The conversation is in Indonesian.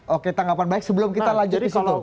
oke tanggapan baik sebelum kita lanjut di situ